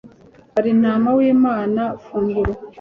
uri ntama w'imana, funguro